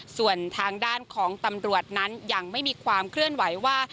ส่วนทางด้านของตำรวจนั้นยังไม่มีความเคลื่อนไหวว่า